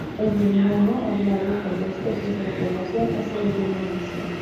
El birmano, hablado por dos tercios de la población, es el idioma oficial.